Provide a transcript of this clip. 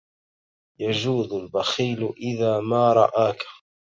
يجود البخيل إذا ما رآك